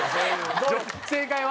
正解は？